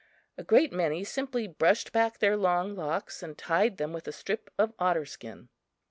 A great many simply brushed back their long locks and tied them with a strip of otter skin.